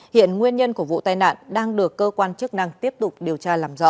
hiện nguyên nhân của vụ tai nạn đang được cơ quan chức năng tiếp tục điều tra làm rõ